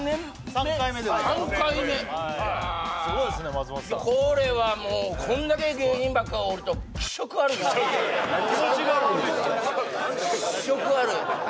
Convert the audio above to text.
３回目いやすごいですね松本さんこれはもうこんだけ芸人ばっかおると・気色気持ちが悪いですね気色悪い